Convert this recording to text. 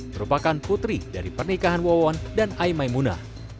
merupakan putri dari pernikahan wawon dan aimai muna